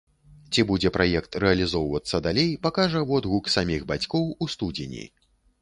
Ці будзе праект рэалізоўвацца далей, пакажа водгук саміх бацькоў у студзені.